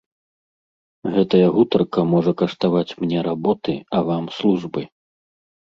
Гэтая гутарка можа каштаваць мне работы, а вам службы.